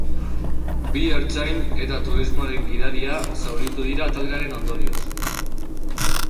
Bi ertzain eta turismoaren gidaria zauritu dira talkaren ondorioz.